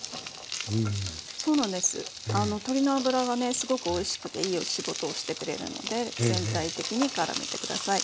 すごくおいしくていいお仕事をしてくれるので全体的にからめて下さい。